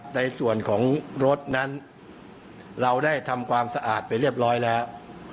ในส่วนของรถนั้นเราได้ทำความสะอาดไปเรียบร้อยแล้ว